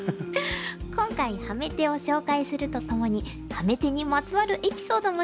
今回ハメ手を紹介するとともにハメ手にまつわるエピソードも紹介します。